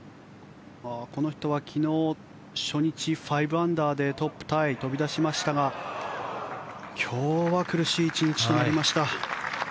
この人は昨日、初日５アンダーでトップタイ飛び出しましたが今日は苦しい１日となりました。